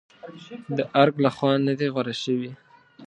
د ارګ لخوا نه دي غوره شوې.